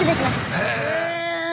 へえ。